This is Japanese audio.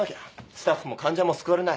スタッフも患者も救われない。